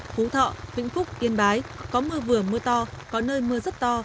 phú thọ vĩnh phúc yên bái có mưa vừa mưa to có nơi mưa rất to